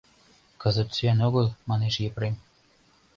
Кызыт сӱан огыл, — манеш Епрем.